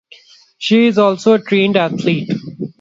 She is also a trained athlete.